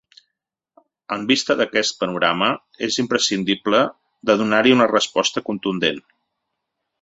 En vista d’aquest panorama, és imprescindible de donar-hi una resposta contundent.